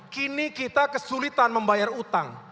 kini kita kesulitan membayar utang